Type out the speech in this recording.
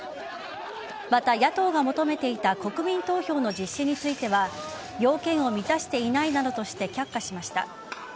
また、野党が求めていた国民投票の実施については要件を満たしていないなどとして却下しました。